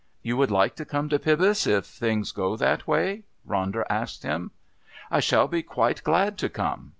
"You would like to come to Pybus if things go that way?" Ronder asked him. "I shall be quite glad to come.